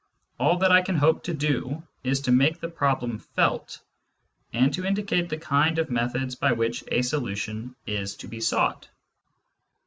All that I can hope to do is to make the problem felt, and to indicate the kind of methods by which a solution is to be sought.